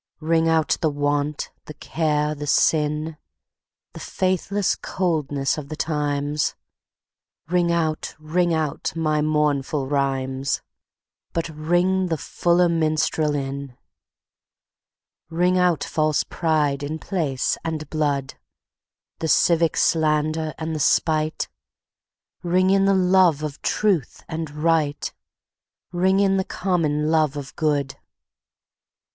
Ring out the want, the care the sin, The faithless coldness of the times; Ring out, ring out my mournful rhymes, But ring the fuller minstrel in. Ring out false pride in place and blood, The civic slander and the spite; Ring in the love of truth and right, Ring in the common love of good.